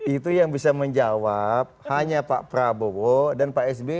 itu yang bisa menjawab hanya pak prabowo dan pak sby